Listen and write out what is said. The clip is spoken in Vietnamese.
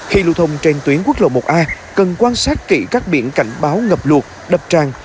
khi lưu thông trên tuyến quốc lộ một a cần quan sát kỹ các biển cảnh báo ngập luộc đập tràn